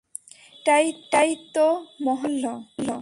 এটাই তো মহা সাফল্য।